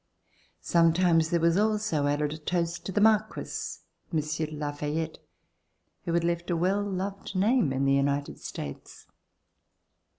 Sometimes there was also added a toast to the "Marquis," Monsieur de La Fayette, who had left a well loved name in the United States.